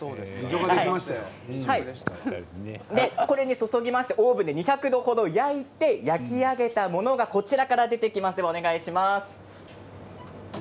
注ぎましてオーブンで２００度程で焼き上げたものがこちらから出てきます。